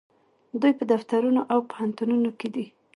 دوی په دفترونو او پوهنتونونو کې دي.